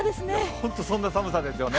本当にそんな寒さですよね。